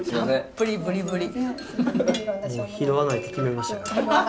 もう拾わないって決めましたから。